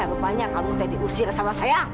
rupanya kamu teh diusir sama saya